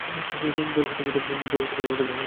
ভয় হইতেই মৃত্যু, ভয় হইতেই সর্বপ্রকার অবনতি আসে।